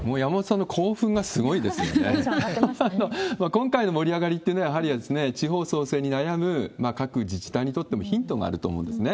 今回の盛り上がりというのは、やはり地方創生に悩む各自治体にとってもヒントがあると思うんですよね。